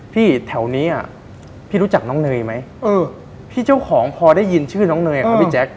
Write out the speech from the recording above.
พี่เจ้าของพอได้ยินชื่อน้องเนยอะครับพี่แจ๊ค